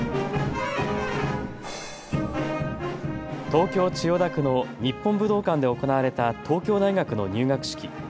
東京千代田区の日本武道館で行われた東京大学の入学式。